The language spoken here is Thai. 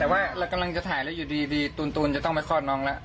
แต่ว่าเรากำลังจะถ่ายแล้วอยู่ดีตูนจะต้องไปคลอดน้องแล้ว